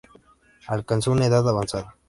Alcanzó una edad avanzada.